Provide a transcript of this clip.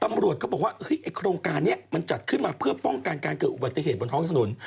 ตำรวจก็บอกว่าโครงการนี้มันจัดขึ้นมาเพื่อป้องกันการเกิดอุบัติเหตุบนท้องถนน